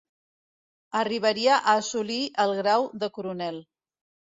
Arribaria a assolir el grau de coronel.